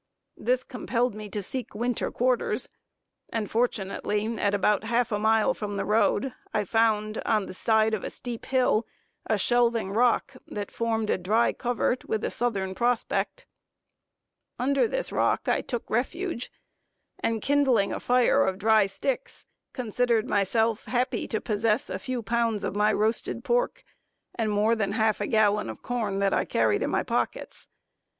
This compelled me to seek winter quarters; and fortunately, at about half a mile from the road, I found, on the side of a steep hill, a shelving rock that formed a dry covert, with a southern prospect. Under this rock I took refuge, and kindling a fire of dry sticks, considered myself happy to possess a few pounds of my roasted pork, and more than half a gallon of corn that I carried in my pockets.